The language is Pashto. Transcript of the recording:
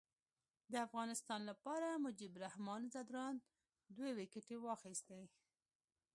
د افغانستان لپاره مجيب الرحمان ځدراڼ دوې ویکټي واخیستي.